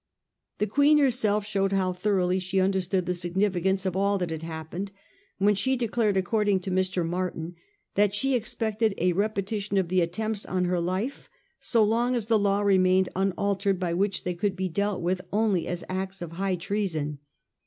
The Queen herself showed how thoroughly she understood the sig nificance of all that had happened, when she declared, according to Mr. Martin, that she expected a repeti tion of the attempts on her life so long as the law remained unaltered by which they could be dealt with only as acts of high treason.